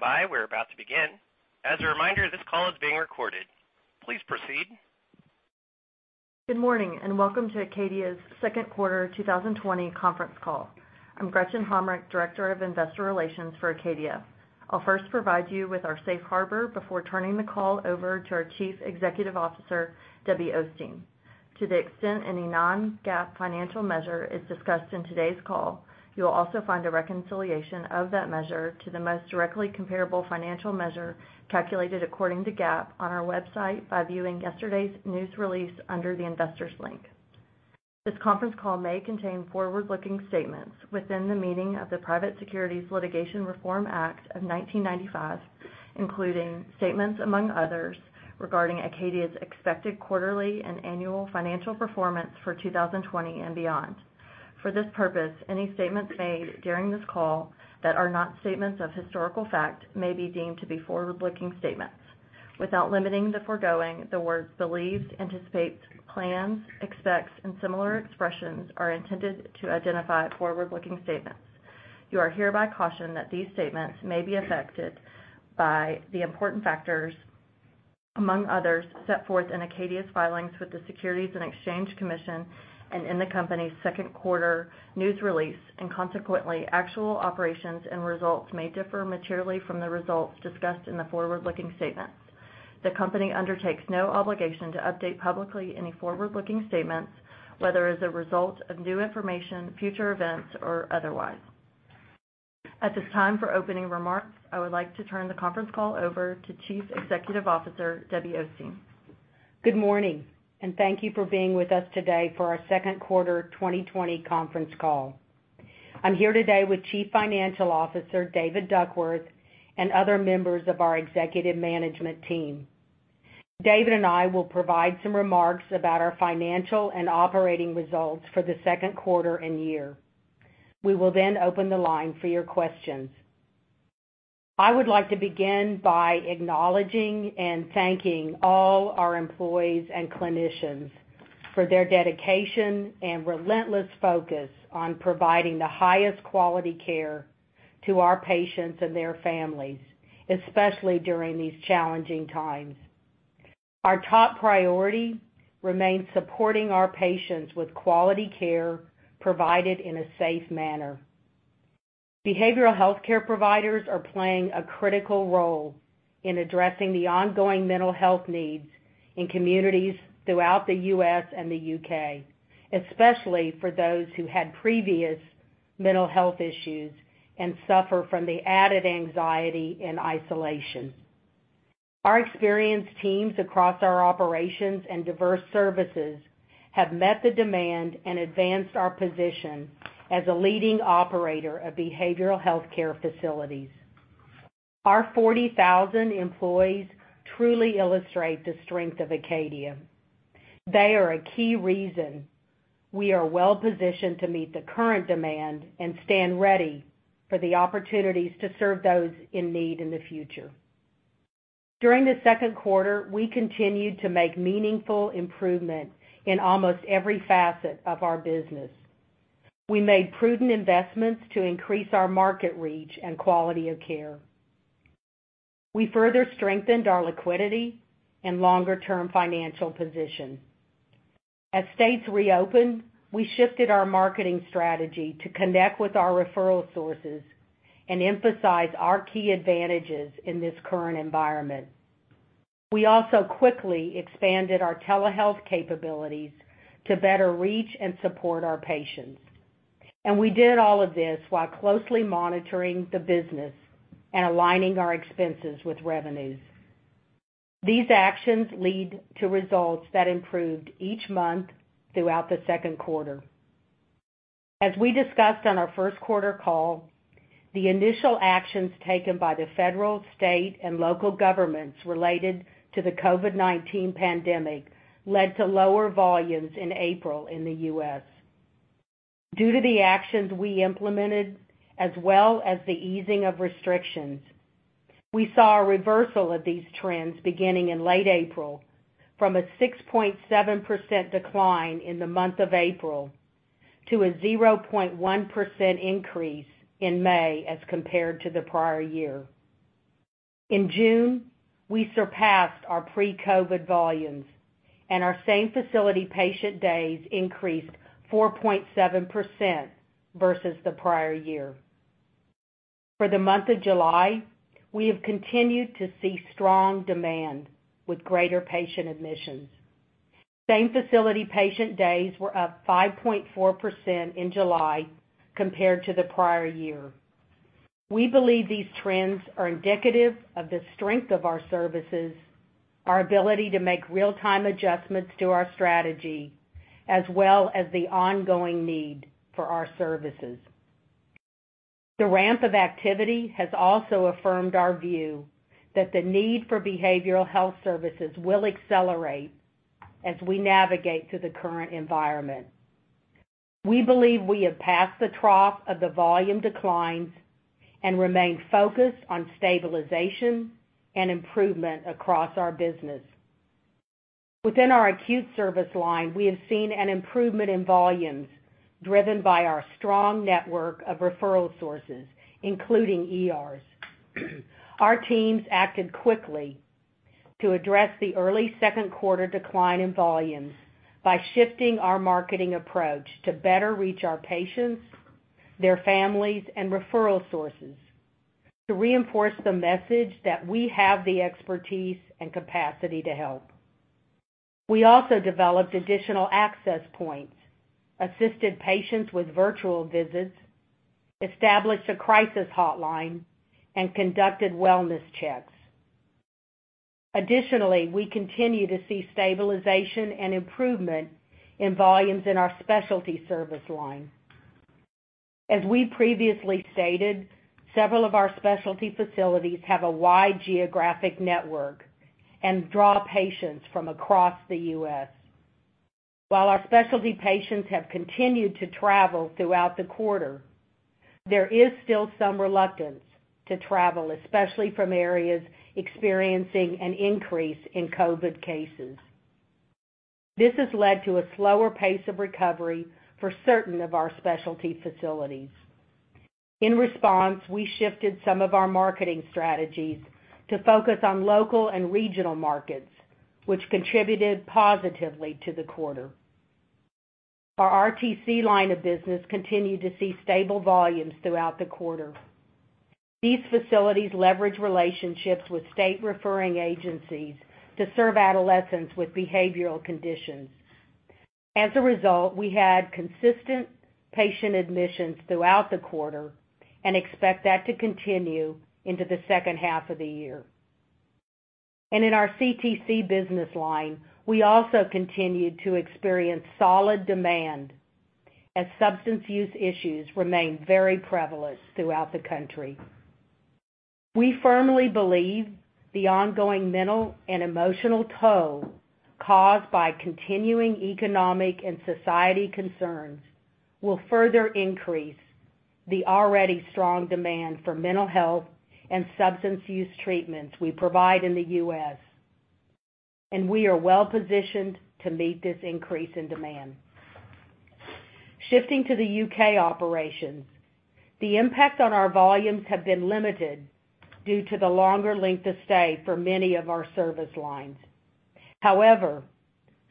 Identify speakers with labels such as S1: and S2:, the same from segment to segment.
S1: Please stand by. We're about to begin. As a reminder, this call is being recorded. Please proceed.
S2: Good morning, and welcome to Acadia's second quarter 2020 conference call. I'm Gretchen Hommrich, Director of Investor Relations for Acadia. I'll first provide you with our safe harbor before turning the call over to our Chief Executive Officer, Debbie Osteen. To the extent any non-GAAP financial measure is discussed in today's call, you will also find a reconciliation of that measure to the most directly comparable financial measure calculated according to GAAP on our website by viewing yesterday's news release under the Investors link. This conference call may contain forward-looking statements within the meaning of the Private Securities Litigation Reform Act of 1995, including statements among others regarding Acadia's expected quarterly and annual financial performance for 2020 and beyond. For this purpose, any statements made during this call that are not statements of historical fact may be deemed to be forward-looking statements. Without limiting the foregoing, the words believed, anticipate, plans, expects, and similar expressions are intended to identify forward-looking statements. You are hereby cautioned that these statements may be affected by the important factors, among others, set forth in Acadia's filings with the Securities and Exchange Commission, and in the company's second quarter news release. Consequently, actual operations and results may differ materially from the results discussed in the forward-looking statements. The company undertakes no obligation to update publicly any forward-looking statements, whether as a result of new information, future events, or otherwise. At this time, for opening remarks, I would like to turn the conference call over to Chief Executive Officer, Debbie Osteen.
S3: Good morning, thank you for being with us today for our second quarter 2020 conference call. I'm here today with Chief Financial Officer, David Duckworth, and other members of our executive management team. David and I will provide some remarks about our financial and operating results for the second quarter and year. We will open the line for your questions. I would like to begin by acknowledging and thanking all our employees and clinicians for their dedication and relentless focus on providing the highest quality care to our patients and their families, especially during these challenging times. Our top priority remains supporting our patients with quality care provided in a safe manner. Behavioral healthcare providers are playing a critical role in addressing the ongoing mental health needs in communities throughout the U.S. and the U.K., especially for those who had previous mental health issues and suffer from the added anxiety and isolation. Our experienced teams across our operations and diverse services have met the demand and advanced our position as a leading operator of behavioral healthcare facilities. Our 40,000 employees truly illustrate the strength of Acadia. They are a key reason we are well-positioned to meet the current demand and stand ready for the opportunities to serve those in need in the future. During the second quarter, we continued to make meaningful improvement in almost every facet of our business. We made prudent investments to increase our market reach and quality of care. We further strengthened our liquidity and longer-term financial position. As states reopened, we shifted our marketing strategy to connect with our referral sources and emphasize our key advantages in this current environment. We also quickly expanded our telehealth capabilities to better reach and support our patients. We did all of this while closely monitoring the business and aligning our expenses with revenues. These actions lead to results that improved each month throughout the second quarter. As we discussed on our first quarter call, the initial actions taken by the federal, state, and local governments related to the COVID-19 pandemic led to lower volumes in April in the U.S. Due to the actions we implemented, as well as the easing of restrictions, we saw a reversal of these trends beginning in late April from a 6.7% decline in the month of April to a 0.1% increase in May as compared to the prior year. In June, we surpassed our pre-COVID volumes, and our same-facility patient days increased 4.7% versus the prior year. For the month of July, we have continued to see strong demand with greater patient admissions. Same-facility patient days were up 5.4% in July compared to the prior year. We believe these trends are indicative of the strength of our services, our ability to make real-time adjustments to our strategy, as well as the ongoing need for our services. The ramp of activity has also affirmed our view that the need for behavioral health services will accelerate as we navigate through the current environment. We believe we have passed the trough of the volume declines and remain focused on stabilization and improvement across our business. Within our acute service line, we have seen an improvement in volumes driven by our strong network of referral sources, including ERs. Our teams acted quickly to address the early second quarter decline in volumes by shifting our marketing approach to better reach our patients, their families, and referral sources to reinforce the message that we have the expertise and capacity to help. We also developed additional access points, assisted patients with virtual visits, established a crisis hotline, and conducted wellness checks. Additionally, we continue to see stabilization and improvement in volumes in our specialty service line. As we previously stated, several of our specialty facilities have a wide geographic network and draw patients from across the U.S. While our specialty patients have continued to travel throughout the quarter, there is still some reluctance to travel, especially from areas experiencing an increase in COVID cases. This has led to a slower pace of recovery for certain of our specialty facilities. In response, we shifted some of our marketing strategies to focus on local and regional markets, which contributed positively to the quarter. Our RTC line of business continued to see stable volumes throughout the quarter. These facilities leverage relationships with state referring agencies to serve adolescents with behavioral conditions. As a result, we had consistent patient admissions throughout the quarter and expect that to continue into the second half of the year. In our CTC business line, we also continued to experience solid demand as substance use issues remain very prevalent throughout the country. We firmly believe the ongoing mental and emotional toll caused by continuing economic and societal concerns will further increase the already strong demand for mental health and substance use treatments we provide in the U.S., and we are well-positioned to meet this increase in demand. Shifting to the U.K. operations, the impact on our volumes have been limited due to the longer length of stay for many of our service lines. However,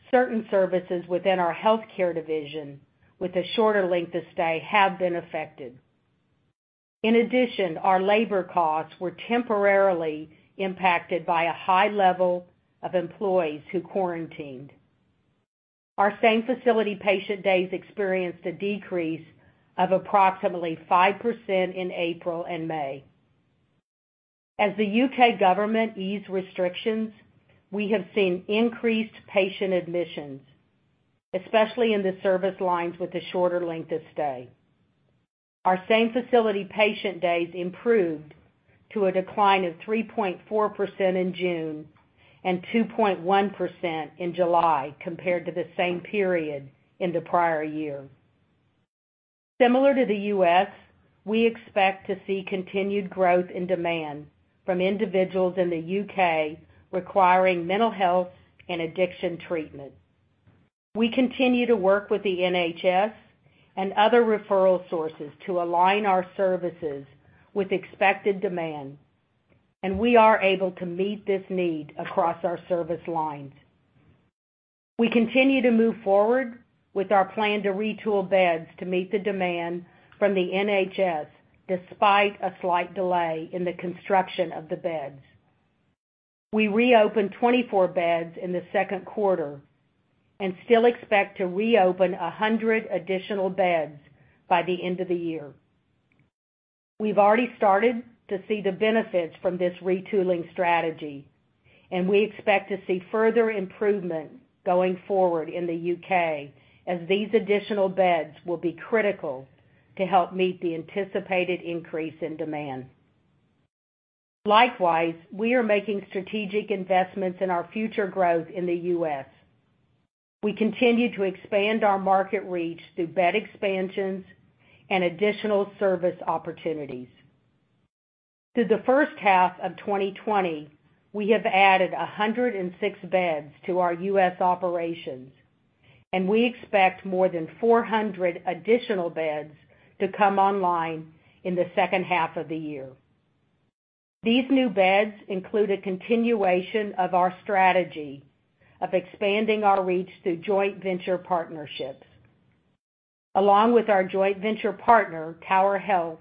S3: certain services within our healthcare division with a shorter length of stay have been affected. In addition, our labor costs were temporarily impacted by a high level of employees who quarantined. Our same-facility patient days experienced a decrease of approximately 5% in April and May. As the U.K. government eased restrictions, we have seen increased patient admissions, especially in the service lines with a shorter length of stay. Our same-facility patient days improved to a decline of 3.4% in June and 2.1% in July compared to the same period in the prior year. Similar to the U.S., we expect to see continued growth in demand from individuals in the U.K. requiring mental health and addiction treatment. We continue to work with the NHS and other referral sources to align our services with expected demand, and we are able to meet this need across our service lines. We continue to move forward with our plan to retool beds to meet the demand from the NHS, despite a slight delay in the construction of the beds. We reopened 24 beds in the second quarter and still expect to reopen 100 additional beds by the end of the year. We've already started to see the benefits from this retooling strategy, and we expect to see further improvement going forward in the U.K. as these additional beds will be critical to help meet the anticipated increase in demand. Likewise, we are making strategic investments in our future growth in the U.S. We continue to expand our market reach through bed expansions and additional service opportunities. Through the first half of 2020, we have added 106 beds to our U.S. operations, and we expect more than 400 additional beds to come online in the second half of the year. These new beds include a continuation of our strategy of expanding our reach through joint venture partnerships. Along with our joint venture partner, Tower Health,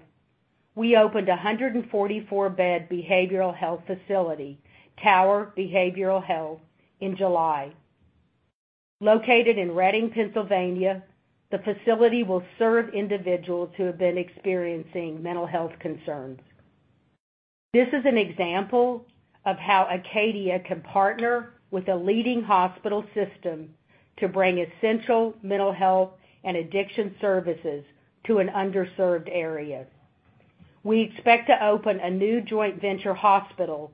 S3: we opened 144-bed behavioral health facility, Tower Behavioral Health, in July. Located in Reading, Pennsylvania, the facility will serve individuals who have been experiencing mental health concerns. This is an example of how Acadia can partner with a leading hospital system to bring essential mental health and addiction services to an underserved area. We expect to open a new joint venture hospital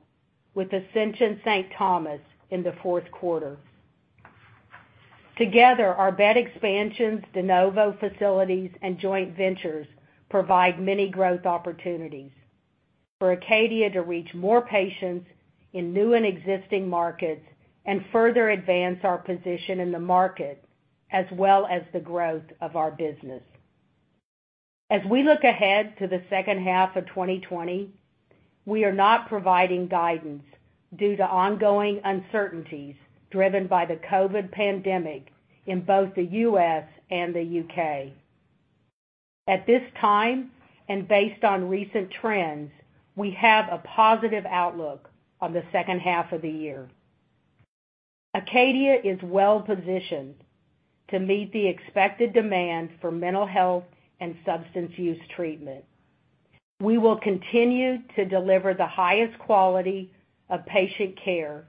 S3: with Ascension Saint Thomas in the fourth quarter. Together, our bed expansions, de novo facilities, and joint ventures provide many growth opportunities for Acadia to reach more patients in new and existing markets and further advance our position in the market, as well as the growth of our business. As we look ahead to the second half of 2020, we are not providing guidance due to ongoing uncertainties driven by the COVID pandemic in both the U.S. and the U.K. At this time, and based on recent trends, we have a positive outlook on the second half of the year. Acadia is well positioned to meet the expected demand for mental health and substance use treatment. We will continue to deliver the highest quality of patient care,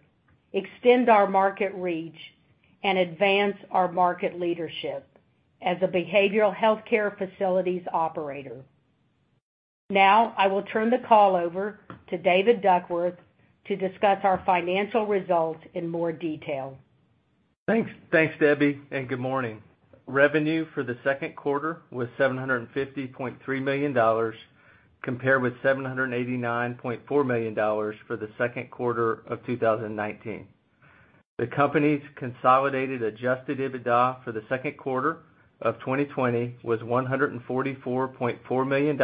S3: extend our market reach, and advance our market leadership as a behavioral healthcare facilities operator. I will turn the call over to David Duckworth to discuss our financial results in more detail.
S4: Thanks, Debbie, and good morning. Revenue for the second quarter was $750.3 million, compared with $789.4 million for the second quarter of 2019. The company's consolidated adjusted EBITDA for the second quarter of 2020 was $144.4 million,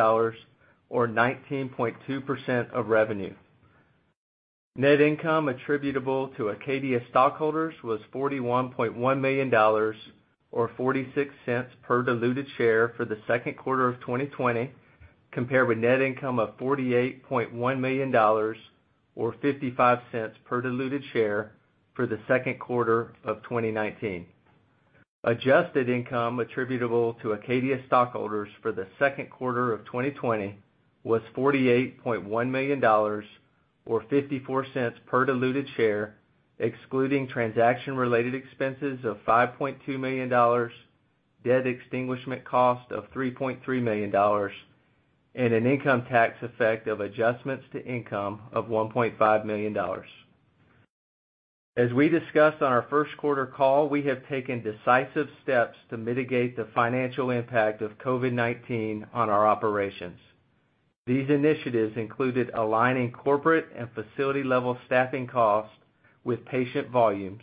S4: or 19.2% of revenue. Net income attributable to Acadia stockholders was $41.1 million, or $0.46 per diluted share for the second quarter of 2020, compared with net income of $48.1 million or $0.55 per diluted share for the second quarter of 2019. Adjusted income attributable to Acadia stockholders for the second quarter of 2020 was $48.1 million, or $0.54 per diluted share, excluding transaction-related expenses of $5.2 million, debt extinguishment cost of $3.3 million, and an income tax effect of adjustments to income of $1.5 million. As we discussed on our first quarter call, we have taken decisive steps to mitigate the financial impact of COVID-19 on our operations. These initiatives included aligning corporate and facility-level staffing costs with patient volumes,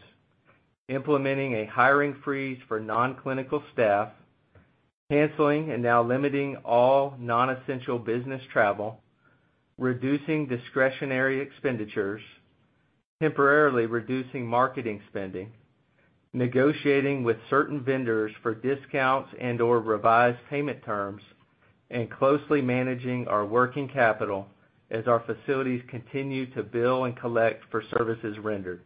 S4: implementing a hiring freeze for non-clinical staff, canceling and now limiting all non-essential business travel, reducing discretionary expenditures, temporarily reducing marketing spending, negotiating with certain vendors for discounts and/or revised payment terms, and closely managing our working capital as our facilities continue to bill and collect for services rendered.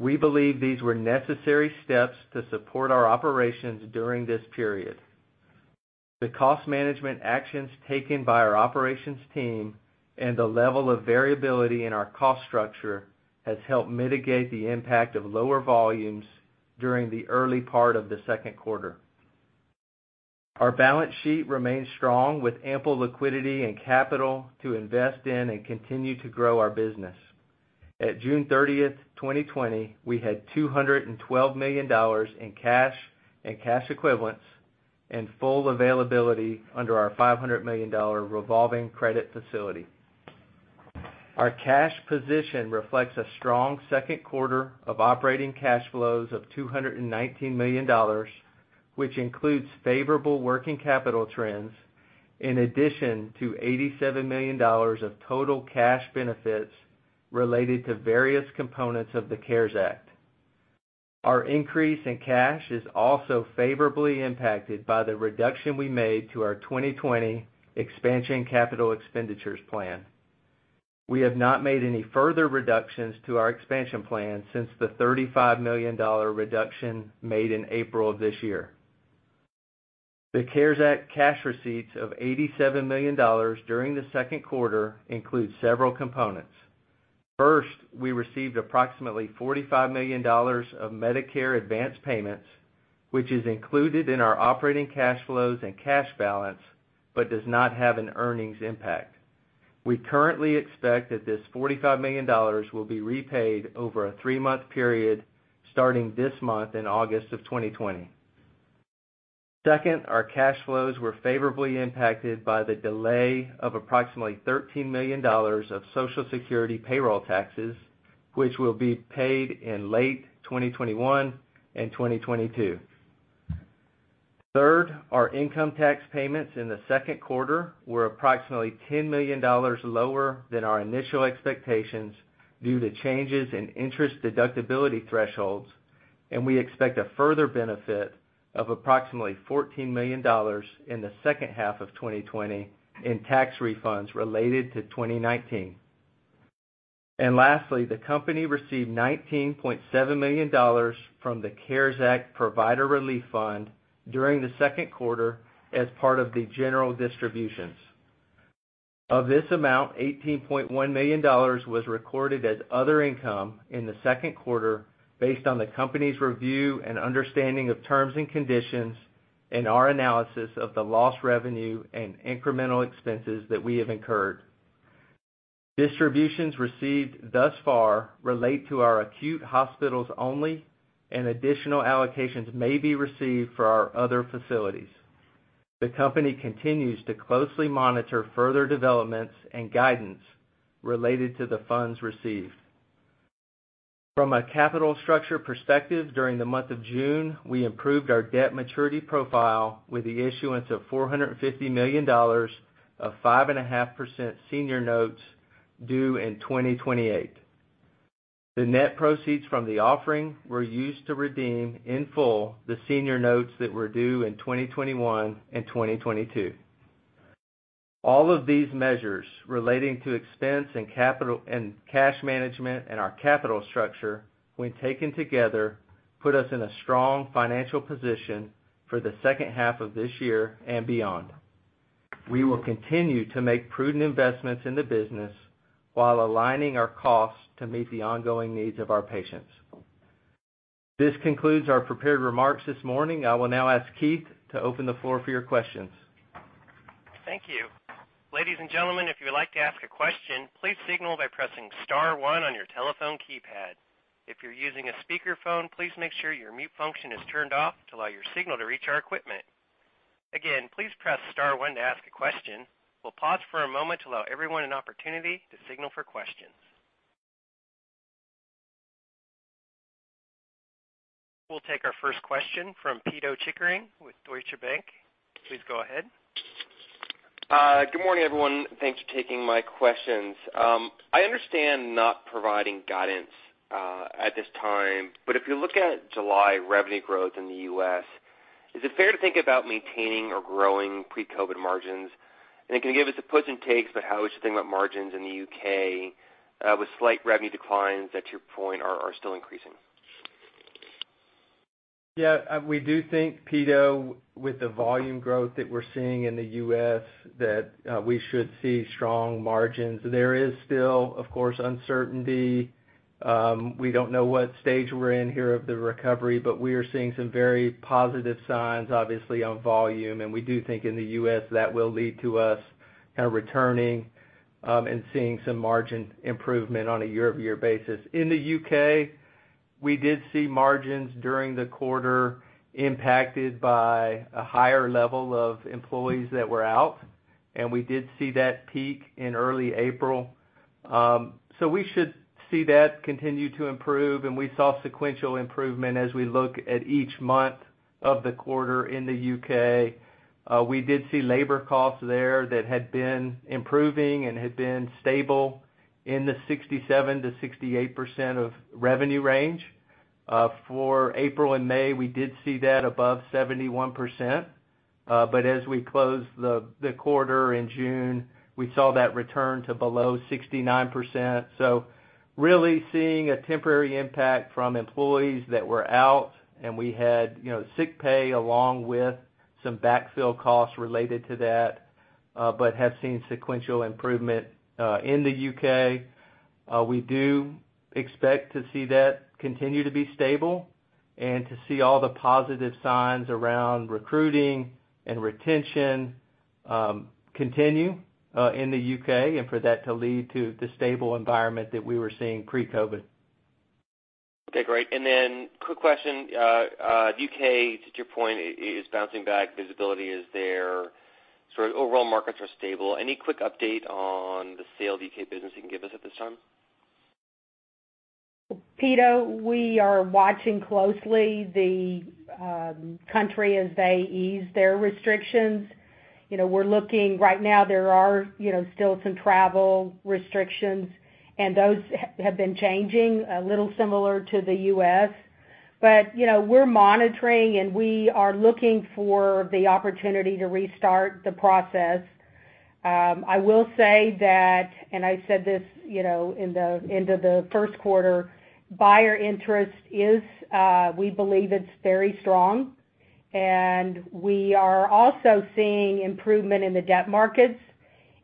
S4: We believe these were necessary steps to support our operations during this period. The cost management actions taken by our operations team and the level of variability in our cost structure has helped mitigate the impact of lower volumes during the early part of the second quarter. Our balance sheet remains strong, with ample liquidity and capital to invest in and continue to grow our business. At June 30th, 2020, we had $212 million in cash and cash equivalents and full availability under our $500 million revolving credit facility. Our cash position reflects a strong second quarter of operating cash flows of $219 million, which includes favorable working capital trends, in addition to $87 million of total cash benefits related to various components of the CARES Act. Our increase in cash is also favorably impacted by the reduction we made to our 2020 expansion capital expenditures plan. We have not made any further reductions to our expansion plan since the $35 million reduction made in April of this year. The CARES Act cash receipts of $87 million during the second quarter include several components. First, we received approximately $45 million of Medicare advance payments, which is included in our operating cash flows and cash balance, but does not have an earnings impact. We currently expect that this $45 million will be repaid over a three-month period starting this month in August of 2020. Second, our cash flows were favorably impacted by the delay of approximately $13 million of Social Security payroll taxes, which will be paid in late 2021 and 2022. Third, our income tax payments in the second quarter were approximately $10 million lower than our initial expectations due to changes in interest deductibility thresholds, and we expect a further benefit of approximately $14 million in the second half of 2020 in tax refunds related to 2019. Lastly, the company received $19.7 million from the CARES Act Provider Relief Fund during the second quarter as part of the general distributions. Of this amount, $18.1 million was recorded as other income in the second quarter based on the company's review and understanding of terms and conditions, and our analysis of the lost revenue and incremental expenses that we have incurred. Distributions received thus far relate to our acute hospitals only, and additional allocations may be received for our other facilities. The company continues to closely monitor further developments and guidance related to the funds received. From a capital structure perspective, during the month of June, we improved our debt maturity profile with the issuance of $450 million of 5.5% senior notes due in 2028. The net proceeds from the offering were used to redeem in full the senior notes that were due in 2021 and 2022. All of these measures relating to expense and cash management and our capital structure, when taken together, put us in a strong financial position for the second half of this year and beyond. We will continue to make prudent investments in the business while aligning our costs to meet the ongoing needs of our patients. This concludes our prepared remarks this morning. I will now ask Keith to open the floor for your questions.
S1: Thank you. Ladies and gentlemen, if you would like to ask a question, please signal by pressing star one on your telephone keypad. If you're using a speakerphone, please make sure your mute function is turned off to allow your signal to reach our equipment. Again, please press star one to ask a question. We'll pause for a moment to allow everyone an opportunity to signal for questions. We'll take our first question from Pito Chickering with Deutsche Bank. Please go ahead.
S5: Good morning, everyone. Thanks for taking my questions. I understand not providing guidance at this time. If you look at July revenue growth in the U.S., is it fair to think about maintaining or growing pre-COVID margins? Can you give us the puts and takes about how we should think about margins in the U.K., with slight revenue declines that, to your point, are still increasing?
S4: We do think, Pito, with the volume growth that we're seeing in the U.S., that we should see strong margins. There is still, of course, uncertainty. We don't know what stage we're in here of the recovery, but we are seeing some very positive signs, obviously, on volume. We do think in the U.S., that will lead to us kind of returning and seeing some margin improvement on a year-over-year basis. In the U.K., we did see margins during the quarter impacted by a higher level of employees that were out, and we did see that peak in early April. We should see that continue to improve, and we saw sequential improvement as we look at each month of the quarter in the U.K. We did see labor costs there that had been improving and had been stable in the 67%-68% of revenue range. For April and May, we did see that above 71%, but as we closed the quarter in June, we saw that return to below 69%. Really seeing a temporary impact from employees that were out, and we had sick pay along with some backfill costs related to that, but have seen sequential improvement in the U.K. We do expect to see that continue to be stable and to see all the positive signs around recruiting and retention continue in the U.K. and for that to lead to the stable environment that we were seeing pre-COVID-19.
S5: Quick question. U.K., to your point, is bouncing back. Visibility is there. Sort of overall markets are stable. Any quick update on the sale of U.K. business you can give us at this time?
S3: Pito, we are watching closely the country as they ease their restrictions. Right now, there are still some travel restrictions, and those have been changing, a little similar to the U.S. We're monitoring, and we are looking for the opportunity to restart the process. I will say that, and I said this in the end of the first quarter, buyer interest is, we believe it's very strong, and we are also seeing improvement in the debt markets,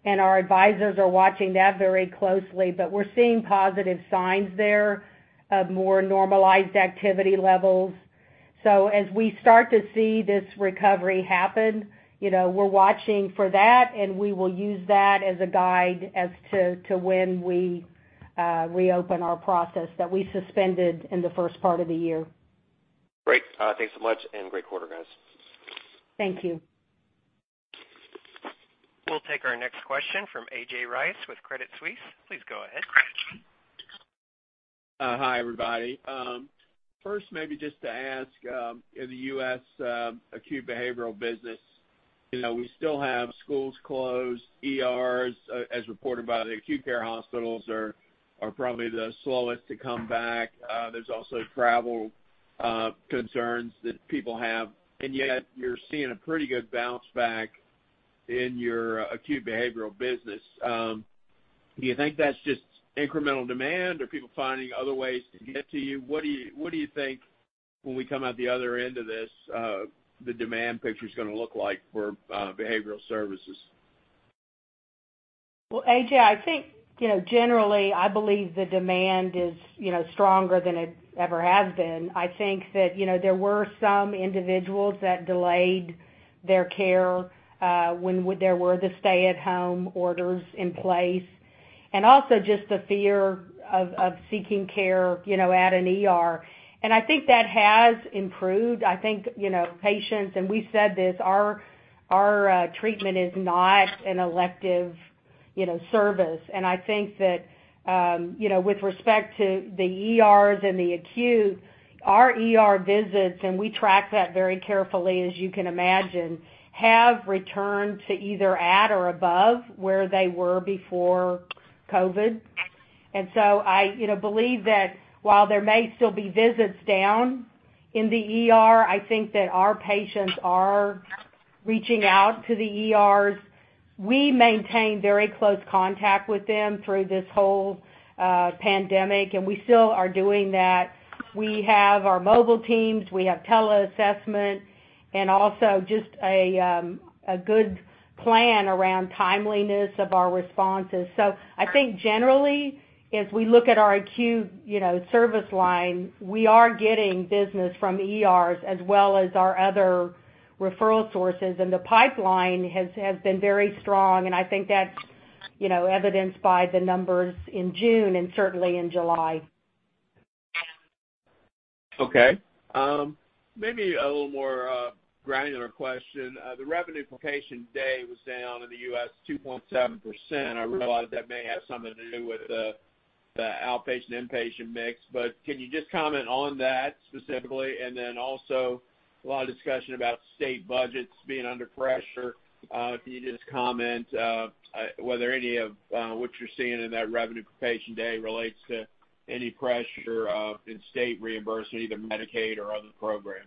S3: and our advisors are watching that very closely. We're seeing positive signs there of more normalized activity levels. As we start to see this recovery happen, we're watching for that, and we will use that as a guide as to when we reopen our process that we suspended in the first part of the year.
S5: Great. Thanks so much, and great quarter, guys.
S3: Thank you.
S1: We'll take our next question from A.J. Rice with Credit Suisse. Please go ahead.
S6: Hi, everybody. First, maybe just to ask in the U.S. acute behavioral business, we still have schools closed, ERs, as reported by the acute care hospitals, are probably the slowest to come back. There's also travel concerns that people have, and yet you're seeing a pretty good bounce back in your acute behavioral business. Do you think that's just incremental demand, or people finding other ways to get to you? What do you think when we come out the other end of this, the demand picture's going to look like for behavioral services?
S3: Well, A.J., I think generally, I believe the demand is stronger than it ever has been. I think that there were some individuals that delayed their care when there were the stay-at-home orders in place. Also just the fear of seeking care at an ER. I think that has improved. I think patients, and we've said this, our treatment is not an elective service. I think that with respect to the ERs and the acute, our ER visits, and we track that very carefully, as you can imagine, have returned to either at or above where they were before COVID-19. I believe that while there may still be visits down in the ER, I think that our patients are reaching out to the ERs. We maintained very close contact with them through this whole pandemic, and we still are doing that. We have our mobile teams, we have tele-assessment, and also just a good plan around timeliness of our responses. I think generally, as we look at our acute service line, we are getting business from ERs as well as our other referral sources, and the pipeline has been very strong, and I think that's evidenced by the numbers in June and certainly in July.
S6: Okay. Maybe a little more granular question. The revenue per patient day was down in the U.S. 2.7%. I realize that may have something to do with the outpatient-inpatient mix, can you just comment on that specifically? Also a lot of discussion about state budgets being under pressure. If you could just comment whether any of what you're seeing in that revenue per patient day relates to any pressure in state reimbursement, either Medicaid or other programs.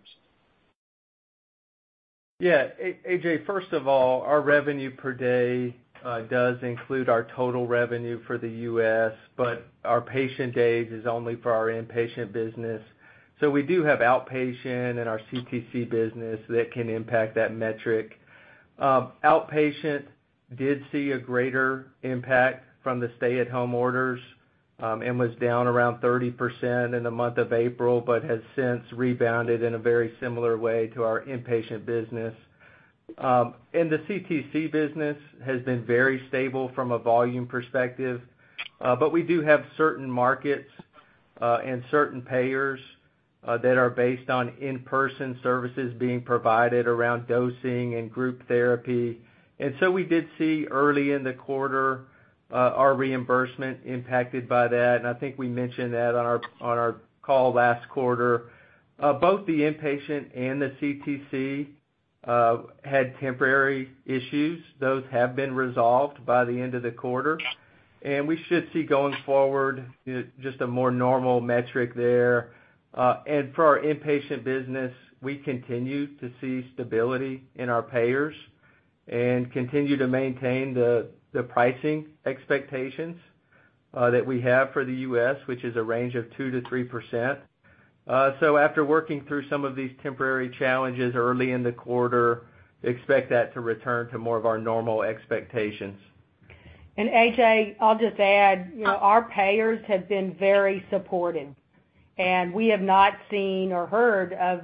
S4: Yeah. A.J., first of all, our revenue per day does include our total revenue for the U.S., our patient days is only for our inpatient business. We do have outpatient and our CTC business that can impact that metric. Outpatient did see a greater impact from the stay-at-home orders and was down around 30% in the month of April, has since rebounded in a very similar way to our inpatient business. The CTC business has been very stable from a volume perspective, we do have certain markets and certain payers that are based on in-person services being provided around dosing and group therapy. We did see early in the quarter our reimbursement impacted by that, I think we mentioned that on our call last quarter. Both the inpatient and the CTC had temporary issues. Those have been resolved by the end of the quarter. We should see going forward just a more normal metric there. For our inpatient business, we continue to see stability in our payers and continue to maintain the pricing expectations that we have for the U.S., which is a range of 2%-3%. After working through some of these temporary challenges early in the quarter, expect that to return to more of our normal expectations.
S3: A.J., I'll just add, our payers have been very supportive, and we have not seen or heard of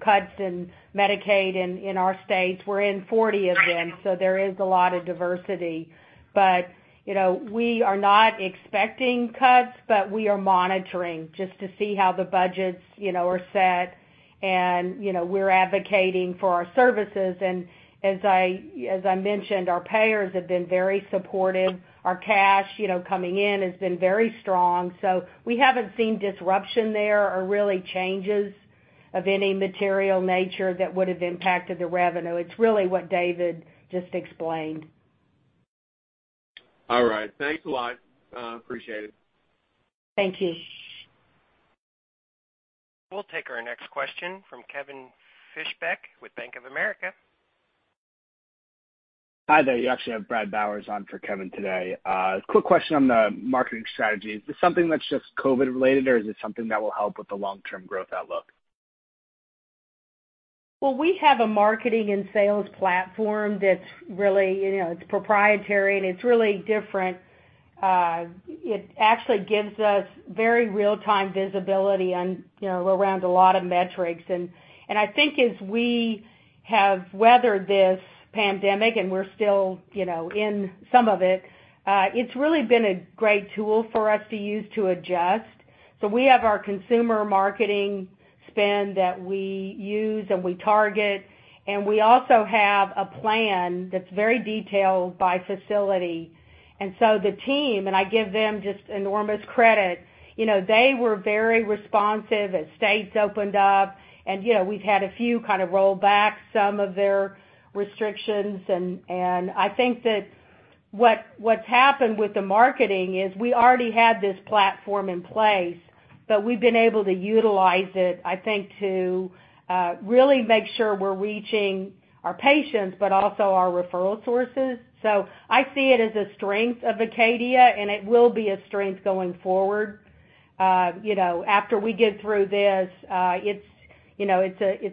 S3: cuts in Medicaid in our states. We're in 40 of them, so there is a lot of diversity. We are not expecting cuts, but we are monitoring just to see how the budgets are set, and we're advocating for our services. As I mentioned, our payers have been very supportive. Our cash coming in has been very strong. We haven't seen disruption there or really changes of any material nature that would've impacted the revenue. It's really what David just explained.
S6: All right. Thanks a lot. Appreciate it.
S3: Thank you.
S1: We'll take our next question from Kevin Fischbeck with Bank of America.
S7: Hi there. You actually have Brad Bowers on for Kevin today. Quick question on the marketing strategy. Is this something that's just COVID related or is it something that will help with the long-term growth outlook?
S3: Well, we have a marketing and sales platform that's proprietary and it's really different. It actually gives us very real-time visibility around a lot of metrics. I think as we have weathered this pandemic, and we're still in some of it's really been a great tool for us to use to adjust. We have our consumer marketing spend that we use and we target, and we also have a plan that's very detailed by facility. The team, and I give them just enormous credit, they were very responsive as states opened up, and we've had a few roll back some of their restrictions. I think that what's happened with the marketing is we already had this platform in place, but we've been able to utilize it, I think, to really make sure we're reaching our patients, but also our referral sources. I see it as a strength of Acadia, and it will be a strength going forward. After we get through this, it's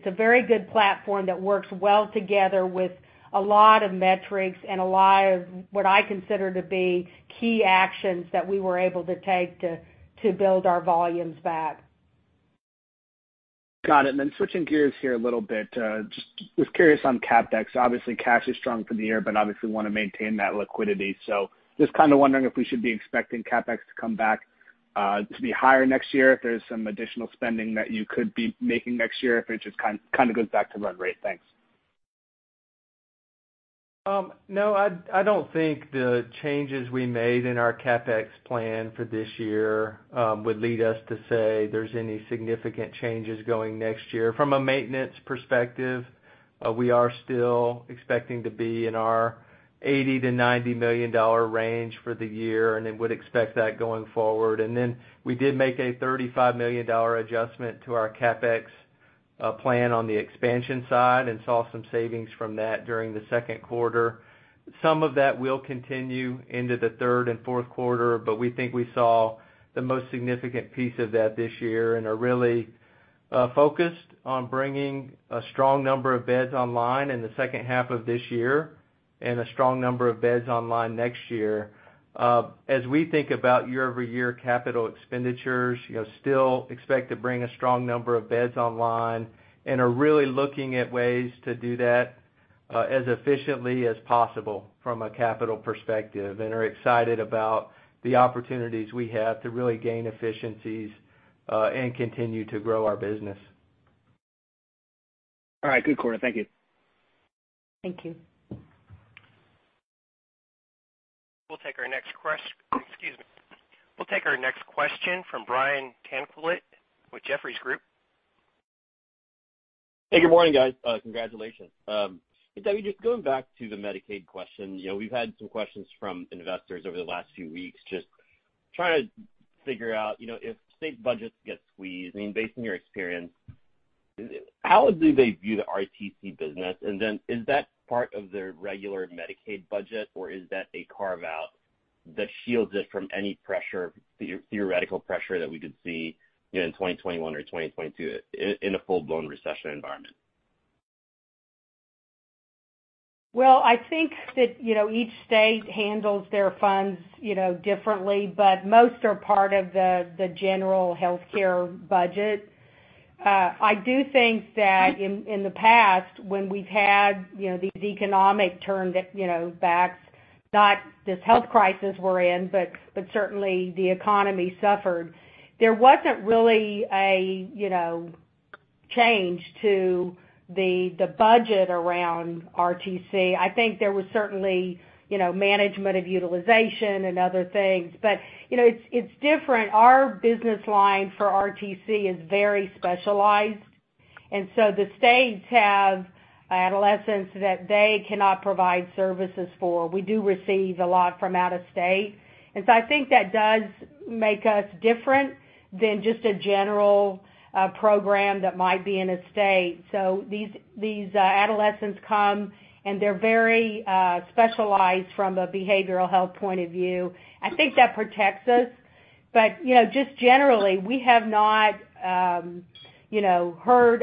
S3: a very good platform that works well together with a lot of metrics and a lot of what I consider to be key actions that we were able to take to build our volumes back.
S7: Got it. Switching gears here a little bit, just was curious on CapEx. Obviously, cash is strong for the year, but obviously want to maintain that liquidity. Just kind of wondering if we should be expecting CapEx to come back to be higher next year, if there's some additional spending that you could be making next year, if it just kind of goes back to run rate? Thanks.
S4: No, I don't think the changes we made in our CapEx plan for this year would lead us to say there's any significant changes going next year. From a maintenance perspective, we are still expecting to be in our $80 million-$90 million range for the year and then would expect that going forward. We did make a $35 million adjustment to our CapEx plan on the expansion side and saw some savings from that during the second quarter. Some of that will continue into the third and fourth quarter, but we think we saw the most significant piece of that this year and are really focused on bringing a strong number of beds online in the second half of this year and a strong number of beds online next year. As we think about year-over-year capital expenditures, still expect to bring a strong number of beds online and are really looking at ways to do that as efficiently as possible from a capital perspective and are excited about the opportunities we have to really gain efficiencies and continue to grow our business.
S7: All right. Good quarter. Thank you.
S3: Thank you.
S1: We'll take our next question from Brian Tanquilut with Jefferies Group.
S8: Good morning, guys. Congratulations. Hey, Debbie, just going back to the Medicaid question. We've had some questions from investors over the last few weeks, just trying to figure out if state budgets get squeezed, based on your experience, how do they view the RTC business? Is that part of their regular Medicaid budget, or is that a carve-out that shields it from any pressure, theoretical pressure that we could see in 2021 or 2022 in a full-blown recession environment?
S3: Well, I think that each state handles their funds differently, but most are part of the general healthcare budget. I do think that in the past, when we've had these economic turnbacks, not this health crisis we're in, but certainly the economy suffered. There wasn't really a change to the budget around RTC. I think there was certainly management of utilization and other things. It's different. Our business line for RTC is very specialized, the states have adolescents that they cannot provide services for. We do receive a lot from out of state. I think that does make us different than just a general program that might be in a state. These adolescents come, and they're very specialized from a behavioral health point of view. I think that protects us. Just generally, we have not heard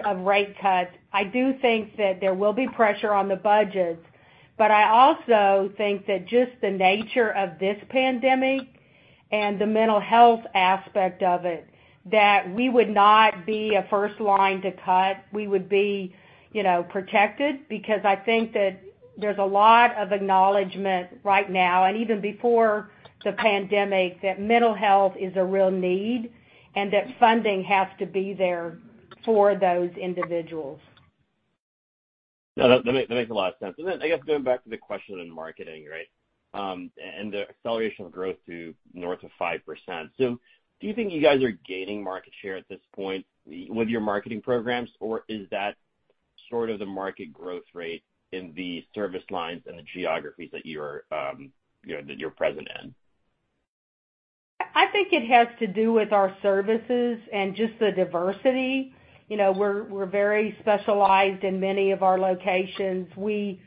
S3: of rate cuts. I do think that there will be pressure on the budgets, but I also think that just the nature of this pandemic and the mental health aspect of it, that we would not be a first line to cut. We would be protected because I think that there's a lot of acknowledgment right now, and even before the pandemic, that mental health is a real need and that funding has to be there for those individuals.
S8: No, that makes a lot of sense. I guess going back to the question in marketing, and the acceleration of growth to north of 5%. Do you think you guys are gaining market share at this point with your marketing programs, or is that sort of the market growth rate in the service lines and the geographies that you're present in?
S3: I think it has to do with our services and just the diversity. We're very specialized in many of our locations. We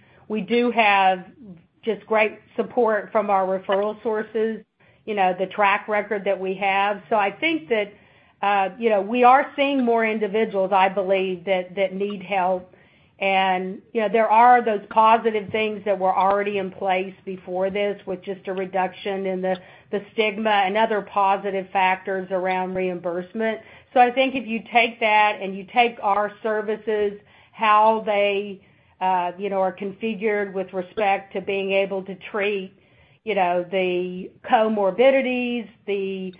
S3: do have just great support from our referral sources, the track record that we have. I think that we are seeing more individuals, I believe, that need help, and there are those positive things that were already in place before this, with just a reduction in the stigma and other positive factors around reimbursement. I think if you take that and you take our services, how they are configured with respect to being able to treat the comorbidities, the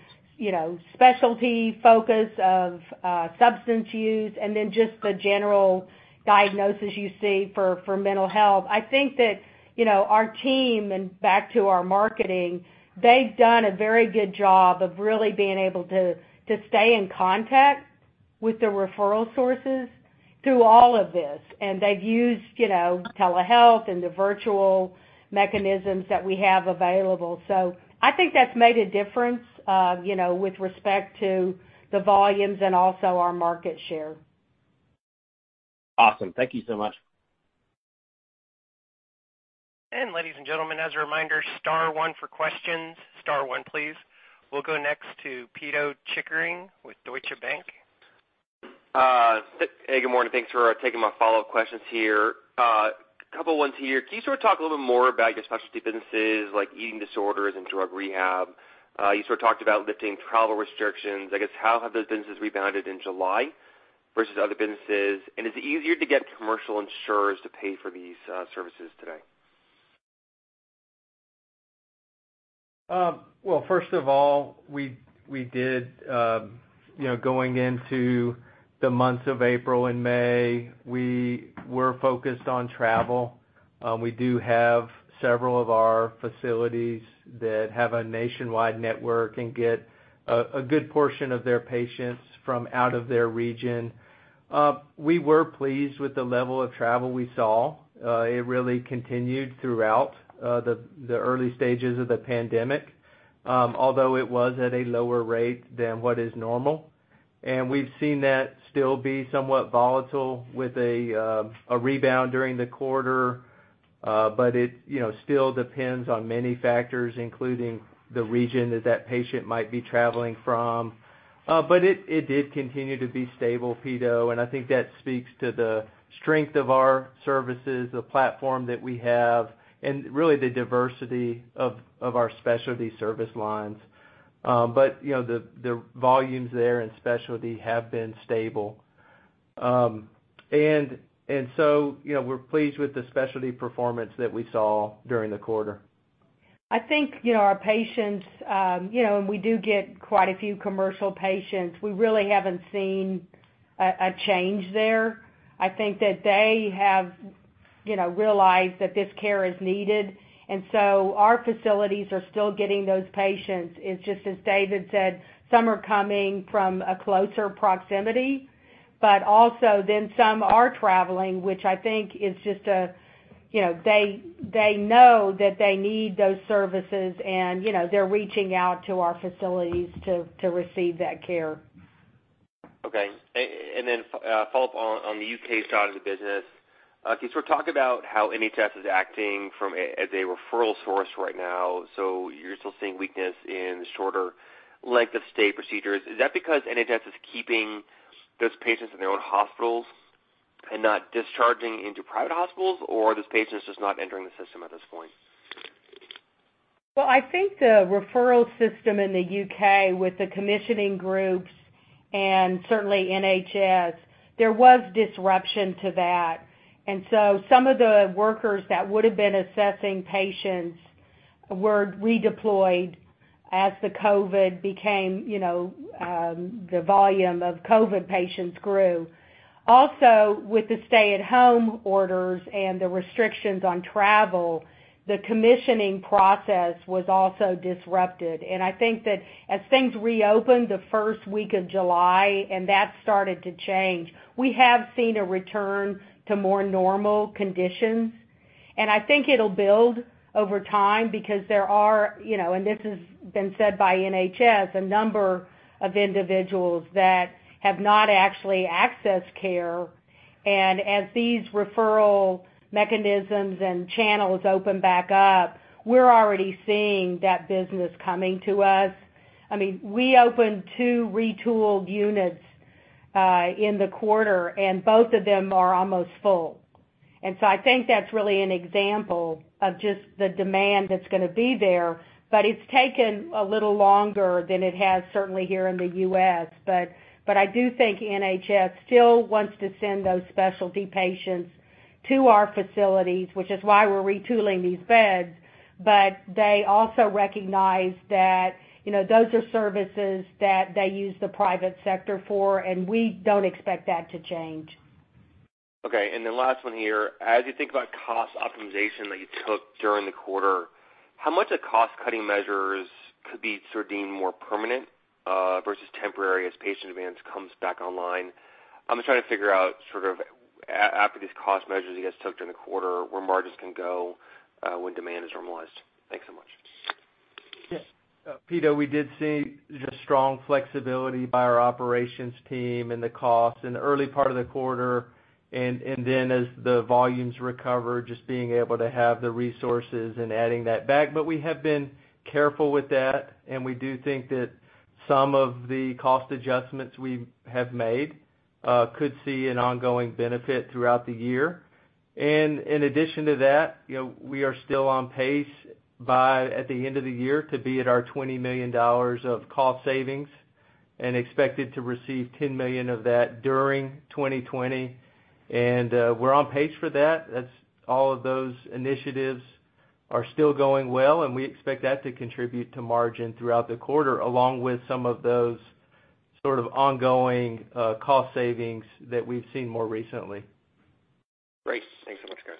S3: specialty focus of substance use, and then just the general diagnosis you see for mental health. I think that our team, and back to our marketing, they've done a very good job of really being able to stay in contact with the referral sources through all of this. They've used telehealth and the virtual mechanisms that we have available. I think that's made a difference with respect to the volumes and also our market share.
S8: Awesome. Thank you so much.
S1: Ladies and gentlemen, as a reminder, star one for questions. Star one, please. We'll go next to Pito Chickering with Deutsche Bank.
S5: Hey, good morning. Thanks for taking my follow-up questions here. A couple ones here. Can you sort of talk a little bit more about your specialty businesses like eating disorders and drug rehab? You sort of talked about lifting travel restrictions. I guess, how have those businesses rebounded in July? Versus other businesses, is it easier to get commercial insurers to pay for these services today?
S4: Well, first of all, going into the months of April and May, we were focused on travel. We do have several of our facilities that have a nationwide network and get a good portion of their patients from out of their region. We were pleased with the level of travel we saw. It really continued throughout the early stages of the pandemic, although it was at a lower rate than what is normal. We've seen that still be somewhat volatile with a rebound during the quarter. It still depends on many factors, including the region that that patient might be traveling from. It did continue to be stable, Pito, and I think that speaks to the strength of our services, the platform that we have, and really the diversity of our specialty service lines. The volumes there in specialty have been stable. We're pleased with the specialty performance that we saw during the quarter.
S3: I think our patients, we do get quite a few commercial patients, we really haven't seen a change there. I think that they have realized that this care is needed, our facilities are still getting those patients. It's just as David said, some are coming from a closer proximity, also then some are traveling. They know that they need those services, and they're reaching out to our facilities to receive that care.
S5: Okay. Follow-up on the U.K. side of the business. Can you sort of talk about how NHS is acting as a referral source right now? You're still seeing weakness in the shorter length of stay procedures. Is that because NHS is keeping those patients in their own hospitals and not discharging into private hospitals, or are those patients just not entering the system at this point?
S3: I think the referral system in the U.K. with the commissioning groups and certainly NHS, there was disruption to that. Some of the workers that would've been assessing patients were redeployed as the volume of COVID-19 patients grew. With the stay-at-home orders and the restrictions on travel, the commissioning process was also disrupted. As things reopened the first week of July, and that started to change, we have seen a return to more normal conditions. I think it'll build over time because there are, and this has been said by NHS, a number of individuals that have not actually accessed care. As these referral mechanisms and channels open back up, we're already seeing that business coming to us. We opened two retooled units, in the quarter, and both of them are almost full. I think that's really an example of just the demand that's going to be there, but it's taken a little longer than it has certainly here in the U.S. I do think NHS still wants to send those specialty patients to our facilities, which is why we're retooling these beds. They also recognize that those are services that they use the private sector for, and we don't expect that to change.
S5: Last one here. As you think about cost optimization that you took during the quarter, how much of cost-cutting measures could be deemed more permanent, versus temporary as patient demands comes back online? I'm just trying to figure out sort of, after these cost measures you guys took during the quarter, where margins can go when demand is normalized. Thanks so much.
S4: Yeah. Pito, we did see just strong flexibility by our operations team and the costs in the early part of the quarter, and then as the volumes recover, just being able to have the resources and adding that back. We have been careful with that, and we do think that some of the cost adjustments we have made could see an ongoing benefit throughout the year. In addition to that, we are still on pace by at the end of the year to be at our $20 million of cost savings and expected to receive $10 million of that during 2020. We're on pace for that. All of those initiatives are still going well, and we expect that to contribute to margin throughout the quarter, along with some of those sort of ongoing cost savings that we've seen more recently.
S5: Great. Thanks so much, guys.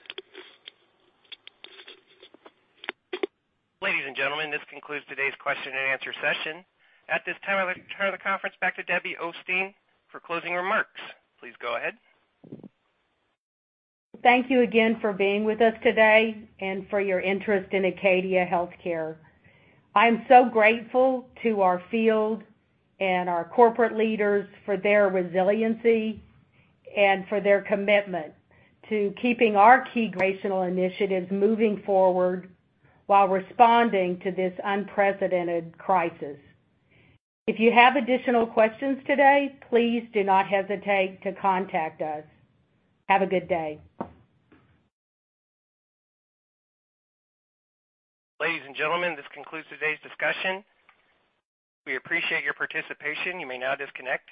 S1: Ladies and gentlemen, this concludes today's question and answer session. At this time, I'd like to turn the conference back to Debbie Osteen for closing remarks. Please go ahead.
S3: Thank you again for being with us today and for your interest in Acadia Healthcare. I'm so grateful to our field and our corporate leaders for their resiliency and for their commitment to keeping our key operational initiatives moving forward while responding to this unprecedented crisis. If you have additional questions today, please do not hesitate to contact us. Have a good day.
S1: Ladies and gentlemen, this concludes today's discussion. We appreciate your participation. You may now disconnect.